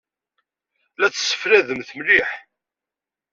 La tesseflademt mliḥ?